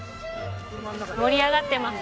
盛り上がってます！